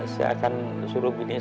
saya akan suruh gini saja